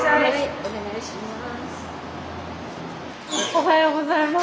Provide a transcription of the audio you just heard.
おはようございます。